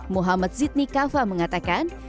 muhammad zidni kafa mengatakan